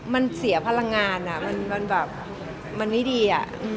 มันเสียพลังงานมันแบบมันไม่ดี